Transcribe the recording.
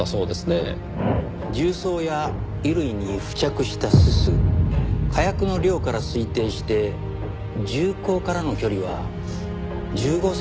銃創や衣類に付着したすす火薬の量から推定して銃口からの距離は１５センチほどでしょうね。